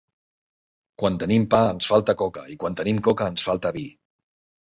Quan tenim pa ens falta coca i quan tenim coca ens falta vi.